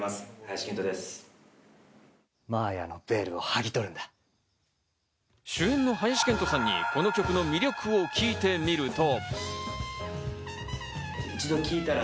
マーヤーのヴェールをはぎ取主演の林遣都さんにこの曲の魅力を聞いてみると。